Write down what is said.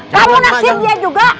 kamu naksin dia juga